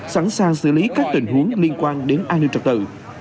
sẵn sàng xử lý các tình huống liên quan đến an ninh trật tự